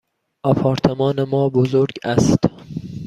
آپارتمان ما بزرگ است.